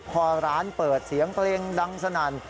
พอร้านเปิดเสียงเพลงดังสนั่น